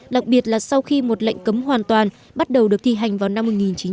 đặc biệt là sau khi một lệnh cấm hoàn toàn bắt đầu được thi hành vào năm một nghìn chín trăm bảy mươi